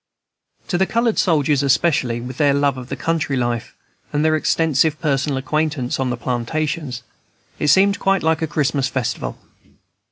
To the colored soldiers especially, with their love of country life, and their extensive personal acquaintance on the plantations, it seemed quite like a Christmas festival.